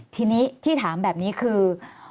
ทีนี้ที่ถามแบบนี้คือ